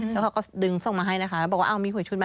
แล้วเขาก็ดึงส่งมาให้นะคะแล้วบอกว่าอ้าวมีหวยชุดไหม